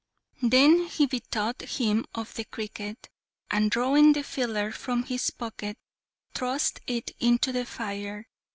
Then he bethought him of the cricket, and drawing the feeler from his pocket, thrust it into the fire.